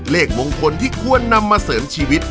เลขมงคลที่ควรนำมาเสริมชีวิต